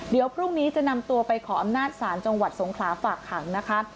เดี๋ยวพรุ่งนี้จะนำตัวไปขออำนาจศาลจังหวัดสงขลาฝากขังนะคะ